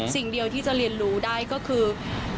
สิ่งเดียวที่จะเรียนรู้ได้ก็คือ